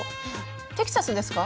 テキサスですか？